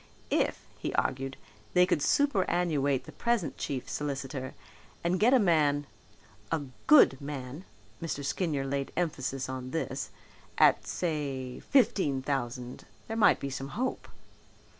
If, he argued, they could superannuate the present chief solicitor and get a man, a good man (Mr. Skinyer laid emphasis on this) at, say, fifteen thousand there might be some hope.